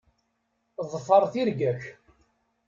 Ḍfeṛ tirga-k.